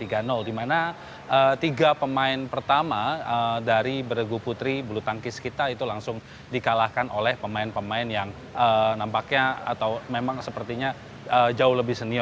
dimana tiga pemain pertama dari bregu putri belutangkis kita itu langsung dikalahkan oleh pemain pemain yang nampaknya atau memang sepertinya jauh lebih senior